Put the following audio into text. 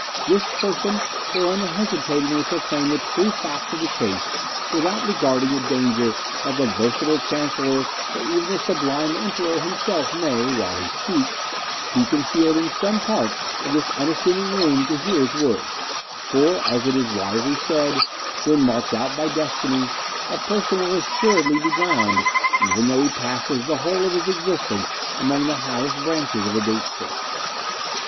This person will unhesitatingly proclaim the true facts of the case without regarding the danger that the versatile Chancellor or even the sublime Emperor himself may, while he speaks, be concealed in some part of this unassuming room to hear his words; for, as it is wisely said, 'When marked out by destiny, a person will assuredly be drowned, even though he passes the whole of his existence among the highest branches of a date tree.